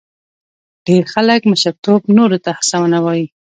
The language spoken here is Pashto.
ډېر خلک مشرتوب نورو ته هڅونه وایي.